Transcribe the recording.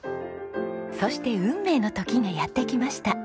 そして運命の時がやって来ました。